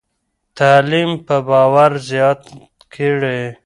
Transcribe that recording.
تعلیم به باور زیات کړي.